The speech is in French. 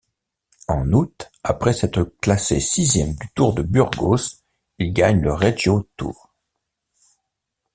En août, après s'être classé sixième du Tour de Burgos, il gagne le Regio-Tour.